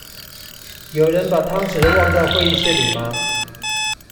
有人把湯匙忘在會議室裡嗎？